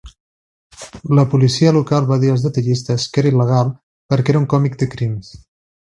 La policia local va dir als detallistes que era il·legal per què era un "còmic de crims".